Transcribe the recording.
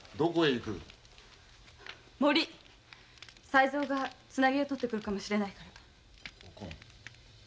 才三がツナギを取ってくるかもしれないから。